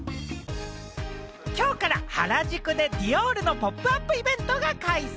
きょうから原宿でディオールのポップアップイベントが開催。